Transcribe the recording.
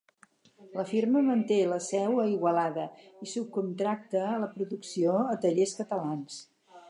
La firma manté la seu a Igualada i subcontracta la producció a tallers catalans.